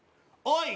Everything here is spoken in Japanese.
おい